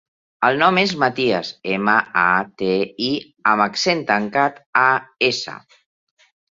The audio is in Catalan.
El nom és Matías: ema, a, te, i amb accent tancat, a, essa.